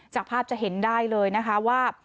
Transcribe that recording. จากภาพจะเห็นได้เลยนะคะว่า